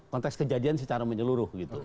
konteks kejadian secara menyeluruh